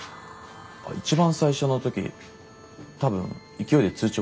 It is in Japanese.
一番最初の時多分勢いで通知